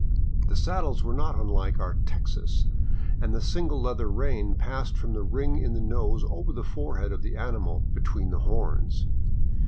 The saddles were not unlike our " Texas," and the single leather rein passed from the ring in the nose over the forehead of the animal, between the horns.